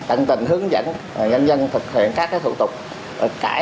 tận tình hướng dẫn nhân dân thực hiện các thủ tục cải